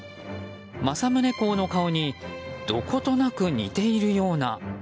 政宗公の顔にどことなく似ているような。